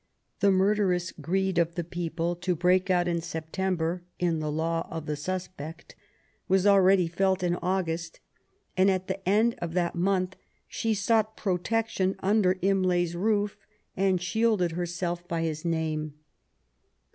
The murderous greed of the people^ to break out in September in the Law of the StMpect, was already felt in August, and at the end of that month she sought protection under Imlay*s roof ^ and shielded herself by his name.